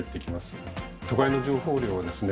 都会の情報量はですね